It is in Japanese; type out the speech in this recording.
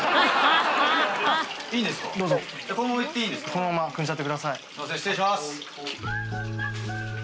このままくんじゃってください。